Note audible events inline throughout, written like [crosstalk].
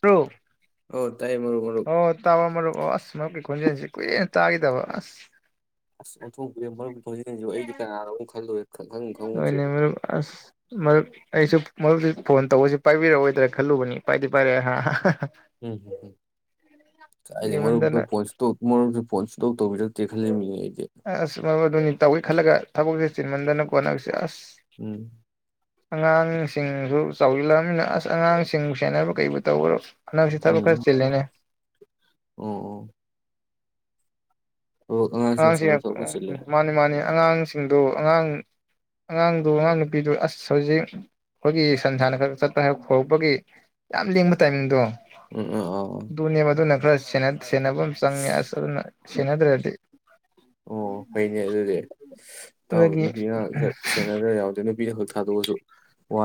ꯇ꯭ꯔꯣ ꯑꯣ ꯇꯥꯏ ꯃꯔꯨ ꯃꯔꯨꯞ ꯃꯔꯨꯞ ꯑꯣ ꯑꯁ ꯃꯔꯨꯞꯀꯤ ꯈꯣꯟꯖꯦꯜꯁꯤ ꯀꯨꯏꯔꯦꯅ ꯇꯥꯈꯤꯗꯕ ꯑꯁ ꯑꯁ ꯑꯣꯟꯊꯣꯛꯇ꯭ꯔꯦ ꯃꯔꯨꯞꯖꯤꯁꯤꯕ ꯑꯩꯗꯤ ꯀꯅꯥꯅꯣꯛ ꯈꯜꯂꯨꯨꯔꯦ ꯍꯣꯏꯅꯦ ꯃꯔꯨꯞ ꯑꯁ ꯃꯔꯨꯞ ꯑꯩꯁꯨ ꯃꯔꯨꯞ ꯐꯣꯟ ꯇꯧꯕꯁꯤ ꯄꯥꯏꯕꯤꯔꯛꯑꯣꯏꯗ꯭ꯔꯥ ꯈꯜꯂꯨꯕꯅꯤ ꯄꯥꯏꯗꯤ ꯄꯥꯏꯔꯛꯑꯦ ꯍꯥ ꯍꯥ ꯑꯍꯥ ꯍꯥ ꯎꯝ ꯍꯝ ꯍꯝ ꯀꯥꯏꯗꯩꯩ ꯃꯔꯨꯞꯇ ꯀꯨꯏꯃꯟꯗꯅ ꯐꯣꯟ ꯁꯨꯛꯇꯧ ꯃꯔꯨꯞꯇ ꯐꯣꯟ ꯁꯨꯛꯇꯧ ꯇꯧꯕꯤꯔꯛ ꯇꯦ ꯈꯜꯂꯝꯃꯤꯌꯦ ꯑꯩ ꯑꯁ ꯔꯕꯔꯗꯨꯅꯤ ꯇꯧꯒꯦ ꯈꯜꯂꯒ ꯊꯕꯛꯁꯦ ꯆꯤꯟꯃꯟꯗꯅ ꯀꯣꯅꯪꯁꯦ ꯑꯁ ꯎꯝ ꯑꯉꯥꯡꯁꯤꯡꯁꯨ ꯆꯥꯎꯁꯤꯜꯂꯃꯤꯅ ꯑꯁ ꯑꯉꯥꯡꯁꯤꯡꯕꯨ ꯁꯦꯟꯅꯕ ꯀꯩꯕꯨ ꯇꯧꯕꯔꯣ ꯅꯪꯁꯤ ꯊꯕꯛ ꯈꯔ ꯎꯝ ꯆꯤꯂꯦꯅꯦ ꯑꯣ ꯑꯣ ꯑꯣ ꯑꯉꯥꯡꯁꯤꯡ ꯎ ꯁꯦꯟꯅ ꯊꯣꯛꯄ ꯆꯤꯜꯂꯦ ꯎꯝ ꯃꯥꯅꯤ ꯃꯥꯅꯤ ꯑꯉꯥꯡꯁꯤꯡꯗꯣ ꯑꯉꯥꯡ ꯑꯉꯥꯡꯗꯨ ꯑꯉꯥꯡ ꯅꯨꯄꯤꯗꯨ ꯑꯁ ꯍꯧꯖꯤꯛ ꯑꯩꯈꯣꯏꯒꯤ ꯁꯟ ꯁꯥꯟꯅ ꯈꯔ ꯆꯠꯄ ꯍꯥꯏꯔ ꯍꯧꯔꯛꯄꯒꯤ ꯌꯥꯝ ꯂꯤꯡꯕ ꯇꯥꯏꯃꯤꯡꯗꯣ ꯎꯝ ꯎꯝ ꯎ ꯁ ꯁꯟꯅꯕ ꯆꯪꯉꯦ ꯑꯁ ꯁꯤꯅꯗ꯭ꯔꯗꯤ ꯑꯣ ꯐꯩꯅꯦ ꯑꯗꯨꯗꯤꯥꯎ ꯑꯗꯒꯤ ꯅꯨꯄꯤꯅ ꯈꯔ ꯁꯦꯟꯅꯗ꯭ꯔ ꯌꯥꯎꯗꯦ ꯅꯨꯄꯤꯗ ꯈꯛꯇ ꯊꯗꯣꯛꯁꯨ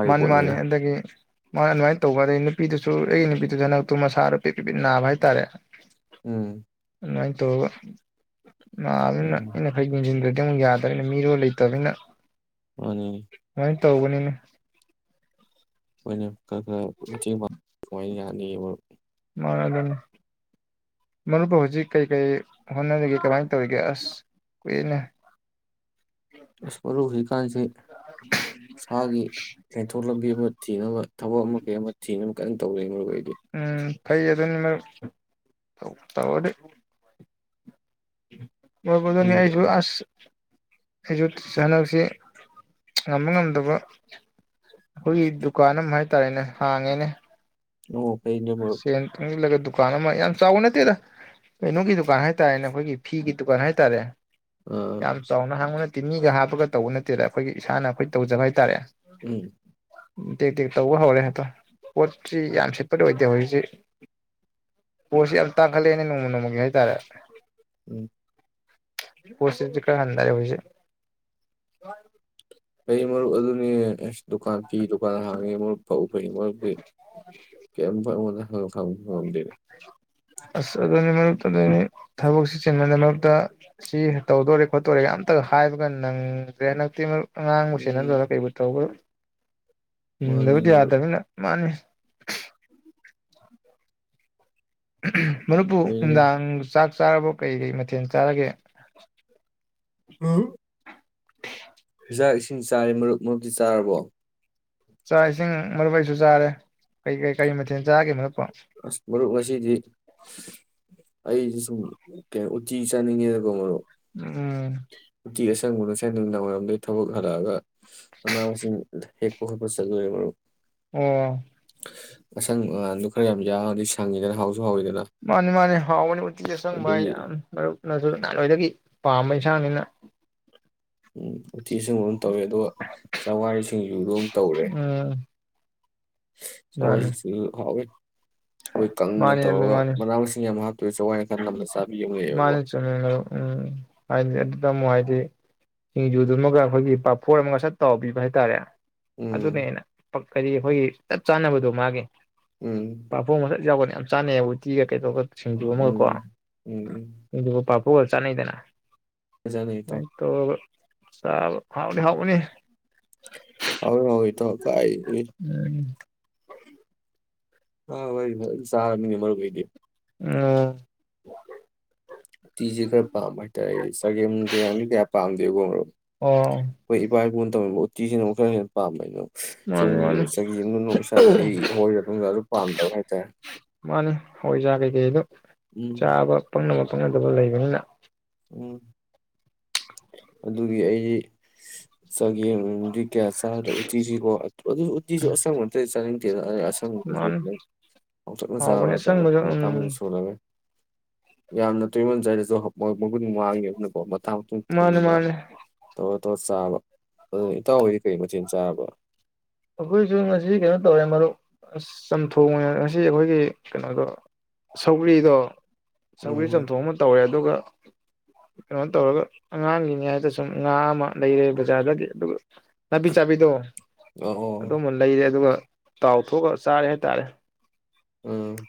ꯃꯥꯅꯤ ꯃꯥꯅꯤ ꯑꯗꯒꯤ ꯃꯥ ꯅꯨꯡꯉꯥꯏ ꯇꯧꯕ ꯑꯗꯩ ꯅꯨꯄꯤꯗꯨꯁꯨ ꯑꯩꯒꯤ ꯅꯨꯄꯤꯗꯨꯁꯨ ꯍꯟꯗꯛꯇꯨ ꯃꯁꯥ ꯅꯨꯄꯤꯠ ꯄꯤ ꯄ ꯅꯥꯕ ꯍꯥꯏꯇꯥꯔꯦ ꯎꯝ ꯑꯗꯨꯃꯥꯏꯅꯥ ꯇꯧꯔꯒꯥ ꯅꯕꯅꯤꯅꯥ ꯎꯝ ꯑꯩꯅꯥ ꯈꯔꯥ ꯌꯦꯡꯖꯤꯟꯗꯔ꯭ꯗꯤ ꯌꯥꯗꯔ꯭ꯦꯅꯦ ꯃꯤꯔꯣꯜ ꯂꯩꯇꯕꯅꯤꯅ ꯃꯅꯤ ꯇꯧꯕꯅꯤꯅ ꯑꯣꯏꯅꯣ ꯈꯔ ꯈꯔ ꯃꯇꯦꯡ ꯄꯥꯡ ꯌꯥꯦ ꯑꯅꯤ ꯃꯥ ꯃꯔꯨꯞꯕꯨ ꯍꯧꯖꯤꯛ ꯀꯩꯀꯩ ꯍꯣꯠꯅꯔꯤꯒꯦ ꯀꯃꯥꯏꯅ ꯇꯧꯒ ꯑꯁ ꯀꯏꯅ ꯏꯁ ꯃꯔꯨ ꯍꯨꯖꯤꯛꯀꯥꯟꯁꯤ ꯁꯥꯒꯤ ꯆꯦꯟꯊꯣꯛ ꯂꯝꯕꯤ ꯑꯃ ꯊꯤꯅꯕ ꯊꯕꯛ ꯑꯃ ꯀꯩ ꯑꯃ ꯊꯤꯅꯕ ꯀꯟꯅ ꯇꯧꯖ ꯃꯔꯗꯤ ꯎꯝ ꯐꯩ ꯑꯗꯨꯅꯤꯃꯛ ꯇꯧꯔꯗꯤ ꯎꯝ ꯃꯣꯏꯄꯗꯅꯤ ꯑꯗꯨ ꯍꯥꯏꯁꯨ ꯑꯁ ꯑꯩꯁꯨ ꯍꯟꯗꯛꯁꯤ ꯉꯝꯕ ꯉꯝꯗꯕ ꯑꯩꯈꯣꯏꯒꯤ ꯗꯨꯀꯥꯟ ꯑꯃ ꯍꯥꯏ ꯇꯥꯔꯦꯅꯦ ꯍꯥꯡꯉꯦꯅꯦ ꯑꯣ ꯐꯩꯅꯦ ꯃꯔꯨꯞ ꯁꯟ ꯇꯣꯪꯖꯤꯜꯂꯒ ꯗꯨꯀꯥꯟ ꯑꯃ ꯌꯥꯝ ꯆꯥꯎꯕ ꯅꯠꯇꯦꯗ ꯀꯩꯅꯣꯒꯤ ꯗꯨꯀꯥꯟ ꯍꯥꯏꯇꯥꯔꯦꯅꯦ ꯑꯩꯈꯣꯏꯒꯤ ꯐꯤꯒꯤ ꯗꯨꯀꯥꯟ ꯍꯥꯏꯇꯥꯔꯦ ꯑꯥ ꯌꯥꯝ ꯆꯧꯅ ꯍꯉꯅ ꯇꯤꯅꯤꯒ ꯍꯥꯞꯄꯒ ꯇꯧꯕ ꯅꯠꯇꯦꯗ ꯑꯩꯈꯣꯏꯒꯤ ꯏꯁꯥꯅ ꯑꯩꯈꯣꯏ ꯇꯧꯖꯕ ꯍꯥꯏꯇꯥꯔꯦ ꯎꯝ ꯇꯦꯛ ꯇꯦꯛ ꯇꯧꯕ ꯍꯧꯔꯦ ꯍꯦꯛꯇꯣ ꯄꯣꯠꯁꯤ ꯌꯥꯝ ꯁꯤ ꯠꯇ ꯑꯣꯏꯗꯦ ꯍꯧꯖꯤꯛꯁꯤ ꯄꯣꯠꯁꯤ ꯌꯥꯝ ꯇꯥꯡꯈꯠꯂꯛꯑꯦꯅꯦ ꯅꯣꯡꯃ ꯅꯣꯡꯃꯒꯤ ꯍꯥꯏꯇꯥꯔꯦ ꯎꯝ ꯄꯁꯤ ꯀ ꯑꯗꯔꯦ ꯍꯧꯁ ꯑꯩ ꯃꯔ ꯑꯗꯨꯅꯤ ꯗꯨꯀꯥꯟ ꯐꯤ ꯗꯨꯀꯥꯟ ꯍꯥꯡꯉꯦ ꯃꯣꯏ ꯐꯧ ꯐꯩ ꯃꯔꯗꯤ ꯀꯔꯤꯝ ꯑꯩꯉꯣꯟꯗꯪꯕ ꯉꯝꯗꯦꯅꯦ ꯑꯁ ꯑꯗꯨꯅꯤ ꯃꯔꯨꯞ ꯑꯗꯨꯅꯤ ꯊꯕꯛꯁꯤ ꯆꯤꯟꯕꯅꯤ ꯃꯔꯨꯞꯛꯇ ꯁꯤ ꯇꯧꯗꯣꯔꯦ ꯈꯣꯠꯇꯣꯔꯦ ꯑꯇ ꯍꯥꯏꯕꯒ ꯅꯪꯗ꯭ꯔꯦ ꯍ ꯅꯛꯇꯤ ꯃꯔꯨꯞ ꯑꯥꯡꯕꯨ ꯎꯝ ꯁꯅꯗꯔꯥ ꯀꯩꯕꯨ ꯇ꯭ꯔꯥꯎ ꯎꯝ ꯃꯥꯅꯤꯅꯦ ꯂꯩꯗꯤ ꯃꯔꯨꯞ ꯌꯥꯗꯅ ꯃꯥꯅꯤ ꯎ ꯃꯔꯄꯨ ꯐꯩꯅꯦ ꯏ ꯆ ꯆꯥꯔꯕꯣ ꯀꯩ ꯀꯩ ꯃꯊꯦꯜ ꯆꯥꯔꯒꯦ ꯑꯝ [inaudible] ꯆꯤꯟꯖꯥꯛ ꯏꯁꯤꯡ ꯆꯥꯔꯤ ꯃꯔꯨꯞ ꯃꯔꯨꯞꯇꯤ ꯆꯥꯔꯕꯣ ꯆꯥꯛ ꯏꯁꯤꯡ ꯃꯔꯨꯞꯩꯁꯨ ꯆꯥꯔꯦ ꯀꯩ ꯀꯩ ꯀꯩ ꯃꯊꯦꯜ ꯆꯥꯒꯦ ꯃꯔꯨꯞ ꯑꯁ ꯃꯔꯔ ꯃꯁꯤꯁꯤꯗꯤ ꯑꯩꯁꯦ ꯁꯨꯝ ꯀꯩꯅꯣ ꯎꯇꯤ ꯆꯥꯅꯤꯡꯉꯦꯗꯀꯣ ꯃꯔꯣ ꯎꯝ ꯇꯇꯤ ꯑꯁꯪꯕꯨ ꯉꯁꯥꯏ ꯅꯨꯡꯗꯥꯡ ꯋꯥꯏꯔꯝꯗꯒꯤ ꯊꯛꯜꯂꯛꯑꯒ ꯑꯅꯥꯁꯤ ꯍꯦꯛ ꯄꯣ ꯍꯣꯏ ꯄ ꯆꯖꯣꯏꯦ ꯣ ꯑꯣ ꯑꯁꯪ ꯈꯔ ꯌꯥꯝ ꯌꯥꯡꯉꯒꯗꯤ ꯁꯪꯉꯤꯗꯅ ꯍꯥꯎ ꯃꯥꯅꯤ ꯃꯥꯅꯤ ꯍꯥꯎꯕꯅꯤ ꯎꯇꯤꯤꯁ ꯑꯁꯪꯕ ꯍꯥꯏ ꯑꯗꯨꯒꯤ ꯌꯥꯝ ꯃꯔꯨꯞꯅꯁꯨ ꯅꯍꯥꯟꯋꯥꯗꯒꯤ ꯄꯥꯝꯕꯩ ꯆꯥꯡꯉꯤꯅ ꯎꯝ ꯑꯣ ꯆꯁꯨ ꯍ ꯇꯧꯋꯦ ꯑꯗꯨꯒ ꯆꯥꯝꯋꯥꯔꯤꯁꯤꯡꯁꯨ ꯑꯗꯨꯝ ꯇꯧꯔꯦ ꯎꯝ ꯁꯋꯥ ꯃꯥꯅꯤ ꯍ ꯃꯣꯏ ꯀꯪꯅ ꯃꯥꯅꯤ ꯇꯧꯔꯒ ꯃꯥꯅꯤ ꯃꯅꯥ ꯃꯁꯤꯡꯁ ꯃꯍꯥꯛ ꯃꯥꯅꯤ ꯆꯣ ꯎꯝ ꯇ ꯑꯃꯨꯛ ꯍꯥꯏꯗꯤ ꯁꯤꯡꯖꯨꯗꯨ ꯑꯃꯒ ꯑꯩꯈꯣꯏꯒꯤ ꯄꯥꯐꯣꯔꯠ ꯑꯃꯒ ꯁꯠ ꯇꯥꯎꯕꯤꯕ ꯍꯥꯏꯇꯥꯔꯦ ꯑꯗꯨꯗ ꯎꯝ ꯅꯦꯅ ꯀꯔꯤ ꯑꯩꯈꯣꯏꯒꯤ ꯆꯞ ꯆꯥꯅꯕꯗꯣ ꯃꯥꯒꯤ ꯎꯝ ꯄꯄꯨ ꯃꯁ ꯌꯥꯕꯅꯦ ꯌꯥꯝ ꯆꯥꯅꯩꯕꯨꯗꯤꯤꯒ [inaudible] ꯎꯝ ꯎꯝ ꯎꯝ ꯍꯣꯜ ꯆꯅꯗꯅ ꯆꯥꯅꯩ ꯏꯇꯥꯎ ꯑꯩ ꯇꯣ ꯑ ꯍꯥꯎꯅꯤ ꯍꯥꯎꯅꯤ ꯍ ꯍꯣꯏ ꯊ ꯍ ꯀꯥꯏ ꯎꯝ ꯑ ꯁꯍꯔ ꯃꯔꯔ ꯀꯩꯗꯦ ꯑꯣ ꯇꯤꯁꯦ ꯈꯔ ꯄꯥꯝꯕ ꯍꯥꯏꯇꯥꯔꯦ ꯑꯩꯗꯤ ꯆꯒꯦꯝ ꯀꯩꯀꯥꯡꯗꯤ ꯀꯌꯥ ꯄꯥꯝꯗꯦꯕꯣ ꯃꯔꯣ ꯑꯣ ꯑꯩꯣꯏ ꯏꯄꯥ ꯏꯄꯨ ꯇꯧ ꯎꯇꯤꯁꯤꯅꯨꯛ ꯈꯔ ꯍꯦꯟꯅ ꯄꯥꯝꯕꯩꯩꯅꯣ ꯃꯥꯅꯤ ꯁꯣꯝꯒꯤ ꯃꯥꯅꯤ ꯆꯒꯤ ꯑ ꯅꯅꯨꯡ ꯏꯁꯥꯗ ꯑꯩꯣꯏꯔ ꯃꯇꯨꯡꯗ ꯑꯗꯨ ꯄꯥꯝꯗꯕ ꯍꯥꯏꯇꯥꯔꯦ ꯃꯥꯅꯤꯅꯦ ꯍꯣꯏꯖꯥ ꯀꯩ ꯀꯩꯗꯨ ꯎꯝ ꯆꯥꯄ ꯀꯛꯅꯗꯕ ꯂꯩꯕꯅꯤꯅ ꯑꯣ ꯑꯗꯨꯒꯤ ꯑꯩ ꯆꯒꯦꯝꯛ ꯀꯌꯥ ꯆꯥꯔ ꯎꯗꯤꯖꯤ ꯀꯧꯕ ꯎꯠꯇꯖ ꯑꯁꯥꯝ ꯃꯠꯇꯩ ꯆ [inaudible] ꯑꯁ ꯑꯩꯈꯣꯏ ꯃꯥꯅꯤ ꯄꯥꯎꯆꯛꯅ ꯆꯥꯕ ꯍꯥꯎꯕꯅꯦ ꯍꯥꯏꯇꯥꯔꯦ ꯑꯁꯪꯕꯁꯨ ꯃꯇꯥꯡꯗꯗ ꯎꯝ ꯁꯣꯜꯂꯒ ꯌꯥꯝꯅ ꯇꯨꯏꯃꯣꯟ ꯆꯥꯏꯗꯁꯨ ꯃꯈꯨꯟ ꯋꯥꯡꯉꯦ ꯑꯗꯨꯅꯀꯣ ꯃꯊꯥꯡ ꯃꯥꯅꯦ ꯃꯥꯅꯦ ꯑꯣ ꯆꯥꯕ ꯑꯗꯨꯅ ꯏꯇꯥꯎꯍꯣꯏꯗꯤ ꯀꯩ ꯃꯊꯦꯜ ꯆꯥꯔꯕ ꯑꯩꯈꯣꯏꯁꯨ ꯉꯁꯤ ꯀꯩꯅꯣ ꯇꯧꯔꯦ ꯃꯔꯨꯞ ꯆꯝꯊꯣꯡꯉ ꯉꯁꯤ ꯑꯩꯈꯣꯏꯒꯤ ꯀꯩꯅꯣꯗꯣ ꯁꯧꯒ꯭ꯔꯤꯗꯣ ꯆꯧꯤ ꯎꯝ ꯆꯝꯊꯣꯛ ꯑꯃ ꯇꯧꯔꯦ ꯑꯗꯨꯒ ꯀꯩꯅꯣ ꯇꯧꯔꯒ ꯑꯉꯥꯡꯒꯤꯅꯤ ꯍꯥꯏꯗ ꯁꯨꯝ ꯉꯥ ꯑꯃ ꯂꯩꯔꯦ ꯕꯖꯥꯔꯗꯒꯤ ꯑꯗꯨꯒ ꯅꯥꯄꯤ ꯆꯥꯕꯤꯗꯣ ꯑꯣ ꯑꯗꯨꯃ ꯂꯩꯔꯦ ꯑꯗꯨꯒ ꯇꯥꯎ ꯊꯣꯛꯑꯒ ꯆꯥꯔꯦ ꯍꯥꯏꯇꯥꯔꯦ ꯎꯝ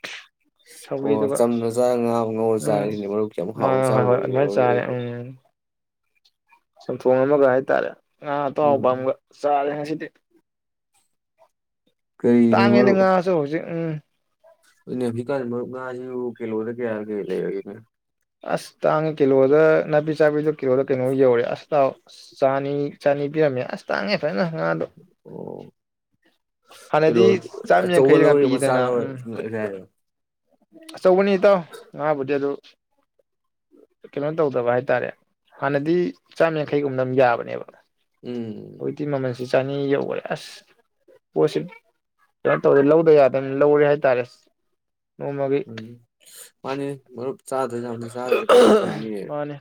ꯑꯣ ꯁꯧꯒ꯭ꯔꯤꯗꯨꯒ ꯆꯝꯅ ꯆꯥꯔꯒ ꯉꯥ ꯉꯧꯔ ꯎꯝ ꯆꯥꯔꯁꯤꯅꯦ ꯃꯔꯨꯞ ꯀ ꯌꯥꯝ ꯍꯥꯎꯅ ꯃꯥ ꯍꯣꯏ ꯆꯥꯕꯒꯤ ꯍꯣꯏ ꯃꯑꯣꯡꯅꯦ ꯑꯗꯨꯃꯥꯏꯅ ꯑꯗꯨꯗꯤ ꯁꯨꯝꯊꯣꯡ ꯑꯃꯒ ꯍꯥꯏꯇꯥꯔꯦ ꯑ ꯇ ꯍꯥꯎ ꯄꯝꯒ ꯎꯝ ꯆꯔꯦ ꯍꯥꯏꯠꯇꯦ ꯀꯔꯤꯅꯣ ꯇꯥꯡꯉꯦ ꯃꯔꯨꯞ ꯅꯤꯡꯉꯁꯨ ꯍꯧꯖꯤꯛ ꯎꯝ ꯑꯗꯨꯅꯦ ꯍꯧꯖꯤꯛꯀꯥꯟ ꯃꯔꯨꯞ ꯉꯥꯁꯤ ꯀꯤꯂꯣꯗ ꯀꯌꯥ ꯀꯌꯥ ꯂꯩꯔꯒꯅꯦ ꯑꯁ ꯇꯥꯡꯉ ꯀꯂꯣꯗ ꯅꯕꯤ ꯆꯕꯤꯗ ꯀꯣ ꯀꯩꯅꯅꯣ ꯌꯖꯧꯦ ꯑꯁ ꯑ ꯆꯥꯅꯤ ꯆꯥꯅꯤ ꯄꯤꯔꯝꯃꯦ ꯑꯁ ꯇꯥꯡꯉꯦ ꯐꯖꯅ ꯑꯗꯣ ꯑꯣ ꯀꯤꯂꯣ ꯑꯆꯧꯕ ꯂꯧꯔ ꯃꯆꯥ ꯂꯧꯔ ꯔꯅꯤ ꯑꯆ ꯑꯆꯧꯕꯅꯤ ꯏꯇꯥꯎ ꯉꯥꯕꯨꯗꯤ ꯑꯗꯨ ꯀꯩꯅꯣ ꯇꯧꯗꯕ ꯍꯥꯏꯇꯥꯔꯦ ꯍꯥꯟꯅꯗꯤ ꯆꯥꯝꯌꯥꯡꯈꯩ ꯒꯨꯝꯕꯅ ꯑꯝ ꯌꯥꯕꯅꯦꯕ ꯎꯝ ꯁꯤ ꯆꯅꯤ ꯌꯧꯔꯦ ꯑꯁ ꯄꯣꯠꯁꯤ ꯀꯩꯅꯣ ꯇꯧꯔꯦ ꯂꯧꯗ ꯌꯥꯗꯅ ꯂꯧꯔꯦ ꯍꯥꯏꯇꯥꯔꯦ ꯅꯣꯡꯃꯒꯤ ꯎꯝ ꯃꯥꯟꯅꯤ ꯃꯔꯨꯞ ꯆꯗ ꯃꯥꯟꯅꯦ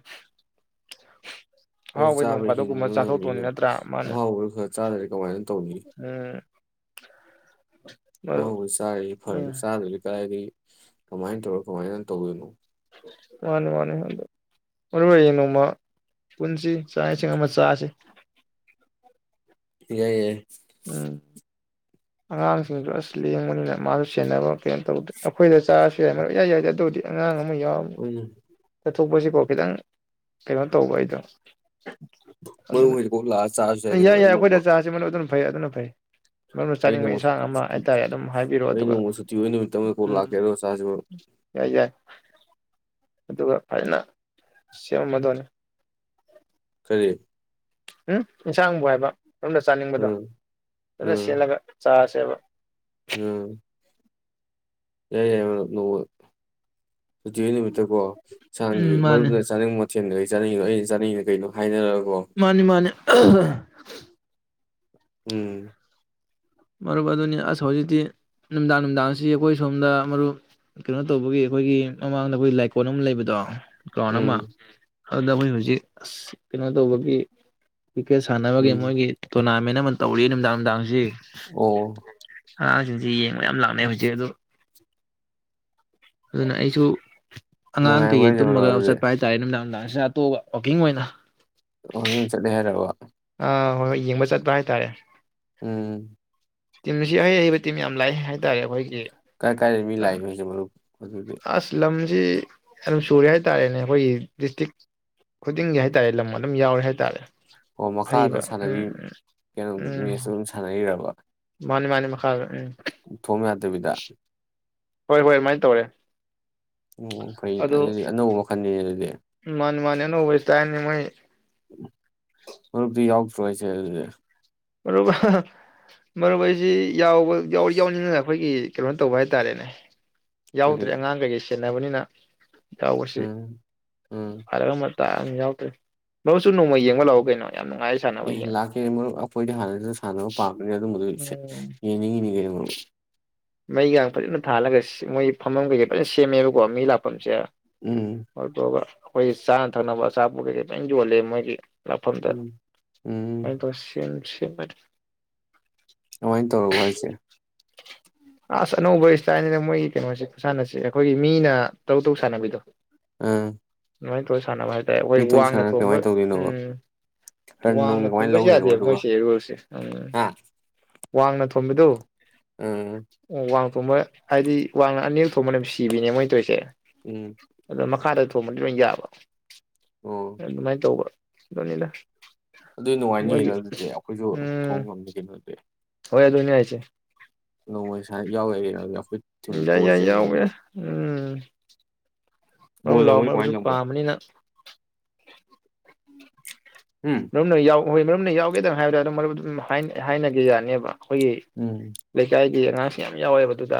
ꯍꯣꯏ ꯅꯣꯡ ꯆꯥꯕ ꯐꯥꯗꯣꯛꯀꯨꯝꯕ ꯍꯤꯡꯕ ꯆꯥꯊꯣꯛꯇꯣꯏꯅꯤ ꯉꯝꯃꯤꯅ ꯅꯠꯇ꯭ꯔꯥ ꯃꯥꯅ ꯑꯍꯥꯎꯕ ꯈꯔ ꯆꯥꯗꯔ꯭ꯗꯤ ꯀꯃꯥꯏꯅ ꯇꯧꯅꯤ ꯎꯝ [inaudible] ꯑꯣ ꯆꯥꯏꯌꯦ ꯐꯔꯦ ꯎꯝ ꯆꯥꯗꯔ꯭ꯗꯤ ꯀꯥꯔꯥꯏꯗꯒꯤ ꯀꯃꯥꯏꯅ ꯇꯧꯔꯣ ꯀꯃꯥꯏꯅ ꯇꯧꯗꯣꯏꯅꯣ ꯃꯥꯟꯅꯦ ꯃꯥꯟꯅꯦ ꯑꯗꯨ ꯃꯔꯨ ꯑꯣꯏꯔꯤꯗꯤ ꯅꯣꯡꯃ ꯄꯨꯟꯁꯤ ꯆꯥꯛ ꯏꯁꯤꯡ ꯑꯃ ꯆꯥꯁꯦ ꯌꯥꯏ ꯌꯥꯏꯑꯦ ꯎꯝ ꯑꯉꯥꯡꯁꯤꯡꯁꯨ ꯑꯁ ꯂꯦꯡꯕꯅꯤꯅ ꯃꯥꯁꯨ ꯁꯦꯟꯅꯕ ꯀꯩꯅꯣ ꯇꯧꯗꯦ ꯑꯩꯈꯣꯏꯗ ꯆꯥꯔꯁꯨ ꯌꯥꯏ ꯃꯔꯨ ꯌꯥꯏ ꯌꯥꯏꯗꯦ ꯑꯗꯨꯕꯨꯗꯤ ꯑꯉꯥꯡ ꯑꯃ ꯌꯥꯎꯔꯅꯤ ꯍꯣꯏꯅꯦ ꯑꯗꯨ ꯊꯣꯛꯄꯁꯤꯀꯣ ꯈꯤꯇꯪ ꯀꯩꯅꯣ ꯇꯧꯕ ꯑꯩꯗꯣ ꯃꯔꯨꯞ ꯑꯗꯨꯅ ꯍꯣꯏꯗ ꯀꯣꯛ ꯂꯥꯛꯑ ꯆꯥꯔꯁꯨ ꯌꯥꯏ ꯀꯩꯅꯣ ꯌꯥꯏ ꯑꯩ ꯅꯣꯡꯃ ꯑꯩꯈꯣꯏꯗ ꯆꯥꯁꯤ ꯃꯔꯨꯞ ꯑꯗꯨꯝ ꯐꯩ ꯑꯗꯨꯅ ꯐꯩ ꯅꯪꯅ ꯑꯩ ꯆꯥꯅꯤꯡꯕ ꯅꯣꯡꯃ ꯏꯟꯁꯥꯡ ꯁꯨꯇꯤ ꯑꯃ ꯁꯨꯇꯤ ꯍꯥꯏꯇꯥꯔꯦ ꯑꯗꯨꯝ ꯍꯥꯏꯕꯤꯔꯛꯑꯣ ꯑꯩ ꯑꯗꯨꯒ ꯅꯣꯡꯃ ꯁꯨꯇꯤ ꯑꯣꯏ ꯅꯨꯃꯤꯠ ꯑꯃꯗ ꯀꯣꯛ ꯎꯝ ꯂꯥꯛꯀꯦ ꯑꯗꯨꯒ ꯆꯥꯁꯤꯕꯣ ꯌꯥꯏ ꯌꯥꯏ ꯑꯗꯨꯒ ꯐꯖꯅ ꯁꯦꯝꯃꯗꯣꯏꯅꯤ ꯀꯔꯤ ꯎꯝ ꯏꯟꯁꯥꯡꯕꯨ ꯍꯥꯏꯕ ꯁꯣꯝꯗ ꯆꯥꯅꯤꯡꯕꯗꯣ ꯎꯝ ꯐꯖꯅ ꯎꯝ ꯁꯦꯠꯂꯒ ꯆꯥꯔꯖ ꯖꯦꯕ ꯎꯝ ꯌꯥꯏꯌꯦ ꯌꯥꯏꯌꯦ ꯃꯔꯨꯞ ꯅꯣꯡꯃ ꯇꯤ ꯂꯩꯕꯥ ꯅꯨꯃꯤꯠꯇ ꯀꯣ ꯑꯦꯟꯁꯥꯡꯒꯤ ꯎꯝ ꯃꯥꯅꯦ ꯃꯔꯨꯞꯅ ꯆꯥꯅꯤꯡꯕ ꯃꯊꯦꯜꯗꯣ ꯑꯩ ꯆꯥꯅꯅꯣ ꯑꯩꯅ ꯆꯥꯅꯤꯡꯉꯤꯅ ꯀꯩꯅꯣ ꯍꯥꯏꯅꯔꯒ ꯃꯥꯅꯤ- ꯃꯥꯅꯤ꯫ ꯎꯝ꯫ ꯃꯔꯨꯞ ꯑꯗꯨꯅꯤ ꯑꯁ ꯍꯧꯖꯤꯛꯇꯤ ꯅꯨꯡꯗꯥꯡ ꯅꯨꯡꯗꯥꯡꯁꯤ ꯑꯩꯈꯣꯏ ꯁꯣꯝꯗ ꯃꯔꯨꯞ ꯀꯩꯅꯣ ꯇꯧꯕꯒꯤ ꯑꯩꯈꯣꯏꯒꯤ ꯃꯃꯥꯡꯗ ꯑꯩꯈꯣꯏ ꯂꯥꯏꯀꯣꯜ ꯑꯃ ꯂꯩꯕꯗꯣ ꯀꯥꯎꯅꯃ ꯎꯝ ꯑꯗꯨꯗ ꯑꯩꯈꯣꯏ ꯍꯧꯖꯤꯛ ꯑꯁ ꯀꯩꯅꯣ ꯇꯧꯕꯒꯤ ꯀꯔ꯭ꯤꯛꯀꯦꯠ ꯁꯥꯟꯅꯕꯒꯤ ꯎꯝ ꯃꯣꯏꯒꯤ ꯇꯣꯅꯥ ꯃꯦꯟ ꯑꯃ ꯇꯧꯔꯤ ꯅꯨꯡꯗꯥꯡ ꯅꯨꯡꯗꯥꯡꯁꯤ ꯑꯣ꯫ ꯑꯉꯥꯡ ꯖꯤꯡꯗꯤ ꯌꯦꯡꯕ ꯌꯥꯝ ꯂꯥꯛꯅꯩ ꯍꯧꯖꯤꯛ ꯑꯗꯨ ꯑꯗꯨꯅ ꯑꯩꯁꯨ ꯑꯉꯥꯡ ꯅꯨꯡꯉꯥꯏꯕ꯭ꯔꯣ ꯀꯩꯀꯩ ꯍꯥꯏꯁꯦ ꯃꯔꯨꯞ ꯇꯨꯝꯃꯒ ꯑꯗꯨꯗꯤ ꯆꯠꯄ ꯍꯥꯏꯇꯥꯔꯦ ꯃꯤꯗꯥꯡ ꯆꯥꯇꯣꯑꯒ ꯋꯥꯛꯀꯤꯡ ꯑꯣꯏꯅ ꯑꯣ ꯆꯠꯂꯦ ꯍꯥꯏꯔꯕ? ꯑ ꯍꯣꯏ - ꯍꯣꯏ ꯌꯦꯡꯕ ꯆꯠꯄ ꯍꯥꯏꯇꯥꯔꯦ꯫ ꯎꯝ꯫ ꯇꯤꯝꯁꯤ ꯑꯍꯩ- ꯍꯩꯕ ꯇꯤꯝ ꯌꯥꯝ ꯂꯥꯛꯑꯦ ꯍꯥꯏꯇꯥꯔꯦ ꯑꯩꯈꯣꯏꯒꯤ ꯀꯥꯏ- ꯀꯥꯏꯗꯦꯏ ꯃꯤ ꯂꯥꯛ ꯏꯅꯣ ꯍꯥꯏꯖꯤꯕꯨ ꯃꯔꯨꯞ? ꯑꯗꯨꯗꯤ ꯑꯁꯂꯝ ꯁꯤ ꯑꯗꯨꯝ ꯁꯨꯔꯦ ꯍꯥꯏꯇꯥꯔꯦꯅꯦ ꯑꯩꯈꯣꯏꯒꯤ ꯗꯤꯁꯇ꯭ꯔꯤꯛ ꯈꯨꯗꯤꯡꯒꯤ ꯍꯥꯏꯇꯥꯔꯦ ꯂꯝ ꯑꯗꯨꯝ ꯌꯥꯎꯔꯦ ꯍꯥꯏꯇꯥꯔꯦ꯫ ꯑꯣ ꯃꯈꯥꯗ ꯑꯍꯩꯕ ꯁꯥꯟꯅꯕꯤ ꯎꯝ ꯀꯩꯅꯣ ꯃꯦꯠꯁ ꯑꯗꯨꯝ ꯁꯥꯟꯅꯩꯔꯕ? ꯃꯥꯅꯦ - ꯃꯥꯅꯦ ꯃꯈꯥꯗ꯫ ꯎꯝ ꯊꯣꯝ ꯌꯥ ꯗꯕꯤꯗ꯫ ꯍꯣꯏ - ꯍꯣꯏ ꯑꯗꯨꯃꯥꯏꯅ ꯇꯧꯔꯦ꯫ ꯑꯣ ꯐꯩ ꯑꯗꯨ ꯑꯗꯨꯗꯤ ꯑꯅꯧꯕ ꯃꯈꯜꯅꯤꯅꯦ ꯑꯗꯨꯗꯤ꯫ ꯑꯣꯏ ꯇꯥꯏ ꯃꯣꯏ ꯐꯔ ꯌꯥꯎꯁꯨꯣꯏꯁ ꯃꯔꯨꯞ ꯍꯥꯍꯥ ꯃꯔꯨꯞ ꯑꯩꯁꯤ꯫ ꯌꯥꯎꯕ ꯌꯥꯎ ꯌꯥꯎꯅꯤꯡꯉꯅ ꯑꯩꯈꯣꯏꯒꯤ ꯀꯩꯅꯥꯏꯅ ꯇꯧꯕ ꯍꯥꯏꯇꯥꯔꯦꯅꯦ ꯌꯥꯎꯗ꯭ꯔꯔꯤ ꯑꯗꯨꯗꯤ ꯍꯪꯥꯡꯪꯒ ꯌꯦꯁ ꯕꯅꯤꯅ ꯎꯒꯁꯤ ꯎꯝ ꯎꯝ ꯐꯔꯒ ꯇ ꯌꯥꯎꯗ꯭ꯔꯦ ꯃꯔꯨꯁꯨ ꯅꯣꯡꯃ ꯌꯦꯡꯕ ꯂꯥꯛꯑꯣ ꯀꯩꯅꯣ ꯌꯥꯝ ꯅꯨꯡꯉꯥꯏ ꯁꯥꯟꯅꯕ ꯑꯦ ꯌꯦꯡꯕ ꯂꯥꯛꯀꯦ ꯃꯣꯏ ꯄꯥꯔ ꯃꯗꯁꯦ ꯎꯝ ꯌꯦꯉꯜ ꯃꯩꯒ ꯐꯖꯅ ꯊꯥꯜꯂꯒ ꯃꯣꯏ ꯐꯝꯃꯐꯝ ꯀꯩꯀꯩ ꯐꯖꯅ ꯁꯦꯝꯃꯦꯕ ꯎꯝ ꯋꯥꯃꯤꯂꯄꯆꯦꯗꯒ ꯑꯩꯈꯣꯏ ꯆꯥꯅ ꯊꯛꯅꯕ ꯑꯆꯥꯄꯣ ꯀꯩ ꯀꯩꯇꯪ ꯌꯣꯜꯂꯦ ꯃꯣꯏꯒꯤ ꯂꯄꯗ ꯎꯝ ꯎꯝ ꯦ ꯐꯔꯦ ꯑꯗꯨꯃꯥꯏꯅ ꯇꯧꯔꯛꯎ ꯍꯥꯏꯁꯦ ꯑꯁ ꯑꯅꯧꯕ ꯏꯁꯇꯥꯏꯜꯅꯤꯅ ꯃꯣꯏꯒꯤ ꯀꯩꯅꯣꯁꯦ ꯁꯥꯟꯅꯁꯤ ꯑꯩꯈꯣꯏꯒꯤ ꯃꯤꯅ ꯇꯔꯨ ꯇꯔ ꯁꯥꯟꯅꯕꯤꯗꯣ ꯎꯝ ꯃꯣꯏ ꯀꯣꯏ ꯁꯥꯟꯅꯕ ꯍꯥꯏꯇꯥꯔꯦ ꯑꯩꯈꯣꯏ ꯋꯥꯡꯅ ꯊꯣꯡꯕ ꯇꯧꯗꯣꯏꯅꯣꯕ ꯎꯝ ꯔꯟ ꯅꯨꯡ ꯋꯥꯡꯅ ꯀꯃꯥꯏꯅ ꯊꯣꯡꯕꯁꯨ ꯂꯧꯔꯤꯅꯣꯕ ꯌꯥꯗꯦꯕ ꯑꯗꯨꯒ ꯃꯣꯏꯁꯦꯔꯨꯜꯁꯦ ꯎꯝ ꯍꯥ ꯋꯥꯡꯅ ꯊꯣꯕꯤꯗꯨ ꯎꯝ ꯑꯣ ꯋꯥꯡ ꯊꯣꯡꯕ ꯍꯥꯏꯗꯤ ꯋꯥꯡꯅ ꯑꯅꯤ ꯊꯣꯡꯕ ꯅꯨꯃꯤꯁꯤ ꯀꯤꯕꯤꯅꯦ ꯃꯣꯏ ꯇꯣꯏꯁꯦ ꯎꯝ ꯑꯗꯣ ꯃ ꯈꯥ ꯑꯗꯨ ꯁꯣꯃꯅꯤ ꯃꯕ ꯑꯣ ꯑꯗꯨꯃꯥꯏꯅ ꯇꯧꯕ ꯅꯤꯗ ꯑꯗꯨ ꯅꯨꯡꯉꯥꯏꯅꯤ ꯀꯩꯅꯣ ꯑꯗꯨꯗꯤ ꯑꯩꯈꯣꯏꯁꯨ ꯊꯣꯡ ꯉꯝꯅꯤ ꯀꯩꯅꯣꯗꯤ ꯍ ꯌꯥꯗꯣꯅꯤ ꯌꯥ ꯍꯥꯏꯆꯦ ꯅꯣꯡꯃꯩ ꯁ ꯌꯥꯎꯔꯛꯔꯦ ꯍꯧꯖꯤ ꯑꯩꯈꯣꯏ ꯊꯤꯝ ꯌꯥꯏ ꯌꯥꯏ ꯇꯣꯖꯔ ꯌꯥꯎꯒꯦ ꯍꯧꯖꯤ ꯑꯗꯨꯝ ꯂꯥꯎ ꯃꯔꯁꯨ ꯂꯪꯕ ꯄꯥꯝꯅꯤꯅ ꯎꯝ ꯅꯣꯏꯅ ꯌꯥꯎ ꯍꯣꯏ ꯃꯔꯨꯞꯅ ꯌꯥꯎꯒꯦꯗꯪ ꯍꯥꯏꯕꯗ ꯑꯗꯨꯝ ꯃꯔꯨꯞ ꯑꯗꯨꯝ ꯍꯥꯏꯅꯒꯦ ꯌꯥꯅꯤꯕ ꯑꯈꯣꯏꯒꯤ ꯎꯝ ꯂꯩꯀꯥꯏꯒꯤ ꯑꯉꯥꯡꯁꯤ ꯌꯥꯝ ꯌꯥꯎꯋꯦꯕ ꯑꯗꯨꯗ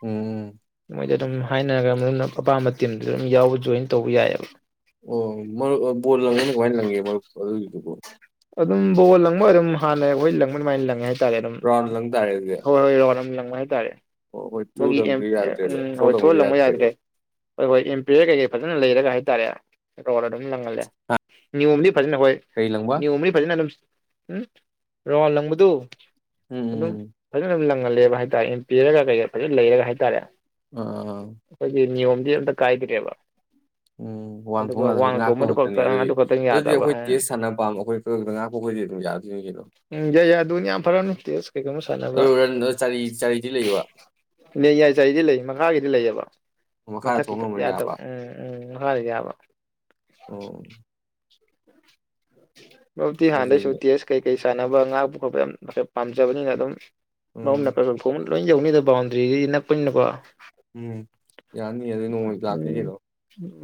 ꯎꯝ ꯎꯝ ꯃꯣꯏꯗ ꯑꯗꯨꯝ ꯍꯥꯏꯅꯔꯒ ꯃꯔꯨꯞꯅ ꯑꯄꯥꯝꯕ ꯇꯤꯝꯗꯨꯗ ꯑꯗꯨꯝ ꯌꯥꯎꯕ ꯖꯣꯏꯟ ꯇꯧꯕ ꯌꯥꯏꯌꯦꯕ ꯑꯣ ꯕꯣꯜ ꯂꯪꯕꯅ ꯀꯃꯥꯏꯅ ꯂꯪꯒꯦ ꯃꯔꯨꯞ ꯑꯗꯨꯒꯤ ꯑꯗꯨꯕꯣ ꯑꯗꯨꯝ ꯕꯣꯜ ꯂꯪꯕ ꯑꯗꯨꯝ ꯍꯥꯟꯅ ꯑꯩꯈꯣꯏ ꯂꯪꯕ ꯑꯗꯨꯃꯥꯏꯅ ꯂꯪꯉꯦ ꯍꯥꯏ ꯑꯗꯨꯝ ꯔꯥꯎꯟ ꯂꯪ ꯇꯥꯔꯦ ꯑꯗꯨꯗꯤ ꯍꯣꯏ ꯑꯗꯨꯃꯥꯏ ꯍꯥꯏ ꯇꯥꯔꯦ ꯑꯣ ꯍꯣꯏ ꯆꯨꯗ ꯌꯥꯗꯦꯕ ꯊꯔꯣ ꯍꯣꯏ ꯊꯣꯛꯑ ꯂꯪꯕ ꯌꯥꯗꯔꯦꯕ ꯌꯥꯗ꯭ꯔꯦ ꯍꯣꯏ ꯍꯣꯏ ꯝꯄꯤꯔꯤꯌꯔ ꯀꯩꯀꯩ ꯐꯖꯅ ꯂꯩꯔꯒ ꯍꯥꯏꯇꯥꯔꯦ ꯑꯗꯨꯝ ꯂꯪꯍꯜꯂꯦ ꯅꯤꯌꯣꯝꯗꯤ ꯐꯖꯅ ꯍꯣꯏ ꯀꯩ ꯂꯪꯕ ꯅꯤꯌꯣꯝꯕꯨꯗꯤ ꯐꯖꯅ ꯑꯗꯨꯝ ꯎꯝ ꯔꯥꯎꯟ ꯂꯪꯕꯗꯨ ꯑꯗꯨꯝ ꯎꯝ ꯐꯖꯅ ꯂꯪꯍꯜꯂꯦꯕ ꯍꯥꯏꯇꯥꯔꯦ ꯑꯦꯝꯄꯤꯌꯔꯒ ꯀꯩꯀꯩꯒ ꯐꯖꯅ ꯂꯩꯔꯒ ꯍꯥꯏꯇꯥꯔꯦ ꯑ ꯗ ꯀꯥꯏꯒꯤꯗꯔꯦꯕ ꯎꯝ ꯋꯥꯟ ꯊꯣꯡꯉ ꯉꯥꯛꯄ ꯈꯛꯇꯅꯤ ꯈꯛꯇꯪ ꯑꯗꯨꯗꯤ ꯑꯗꯨ ꯈꯛꯇꯪ ꯑꯗꯨꯗꯤ ꯌꯥꯗꯕ ꯑꯩꯈꯣꯏ ꯎꯝ ꯇꯦꯁ ꯁꯥꯅ ꯀꯩꯅꯣ ꯎꯝ ꯌꯥꯏ ꯌꯥꯏ ꯑꯗꯨꯅꯤ ꯌꯥꯝ ꯐꯔꯅꯤ ꯇꯦꯁ ꯀꯩꯒꯃ ꯁꯥꯟꯅꯕ ꯑꯗꯨ ꯔꯟ ꯆꯥꯔꯤ ꯆꯥꯔꯤꯗꯤ ꯂꯩꯕ ꯌꯥꯏ ꯆꯍꯤꯗꯤ ꯂꯩ ꯃꯈꯥꯒꯤꯗꯤ ꯂꯩꯌꯦꯕ ꯕ ꯃꯈꯥꯗ ꯃꯊꯛꯀꯤ ꯊꯣꯡ ꯉꯝꯃ ꯌꯥꯗꯕ ꯌꯥꯕ ꯎꯝ ꯎꯝ ꯃꯈꯥꯒꯤ ꯌꯥꯕ ꯎꯝ [unintelligible] ꯃꯔꯨꯞꯇꯤ ꯍꯥꯟꯗꯩꯁꯨ ꯐꯖꯩꯅꯦ ꯇꯦꯁ ꯀꯩ ꯀꯩ ꯁꯥꯟꯅꯕ ꯉꯥꯛꯄ ꯈꯣꯠꯄ ꯌꯥꯝ ꯄꯥꯝꯖꯕꯅꯤꯅ ꯑꯗꯨꯝ ꯃꯔꯨꯞ ꯎꯝ ꯅ ꯈꯔ ꯌꯣꯟ ꯂꯣꯏ ꯌꯧꯅꯤꯗ ꯕꯥꯎꯟꯗ꯭ꯔꯤꯗꯒꯤ ꯅꯛꯄꯅꯤꯅꯕ ꯎꯝ ꯌꯥꯅꯤ ꯑꯗ ꯅꯣꯡꯃ ꯂꯥꯛꯀꯦ ꯎꯝ ꯀꯩꯅꯣ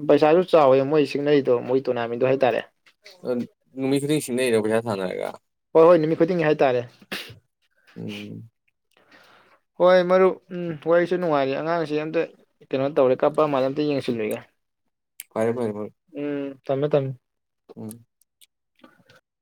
ꯄꯩꯁꯥꯁꯨ ꯆꯥꯎꯋꯦ ꯃꯣꯏ ꯁꯤꯡꯅꯔꯤꯗꯣ ꯃꯣꯏ ꯇꯣꯔꯅꯥꯃꯦꯟꯗꯣ ꯍꯥꯏꯇꯥꯔꯦ ꯑ ꯅꯨꯃꯤꯠ ꯈꯨꯗꯤꯡ ꯁꯤꯡꯅꯩꯔꯣ ꯄꯩꯁꯥ ꯊꯥꯅꯔꯒ ꯑꯍꯣꯏ ꯅꯨꯃꯤꯠ ꯈꯨꯗꯤꯡꯒꯤ ꯍꯥꯏꯇꯥꯔꯦ ꯎꯝ ꯍꯣꯏ ꯃꯔꯨꯞ ꯎꯝ ꯋꯥꯔꯤꯁꯨ ꯌꯥꯝ ꯅꯨꯡꯉꯥꯏꯔꯦ ꯑꯉꯥꯡꯁꯦ ꯑꯝꯇ ꯀꯩꯅꯣ ꯇꯧꯔꯦ ꯀꯥꯞꯄ ꯃꯥꯜ ꯑꯝꯇ ꯌꯦꯡꯁꯤꯜꯂꯨꯒꯤꯒꯦ ꯐꯔꯦ ꯐꯔꯦ ꯐꯔꯦ ꯎꯝ ꯊꯝꯃꯦ ꯊꯝꯃꯦ ꯎꯝ [inaudible]